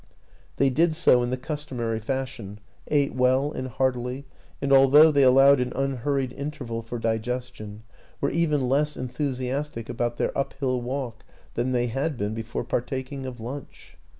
They did so in the cus tomary fashion, ate well and heartily, and al though they allowed an unhurried interval for digestion were even less enthusiastic about their uphill walk than they had been before partaking of lunch.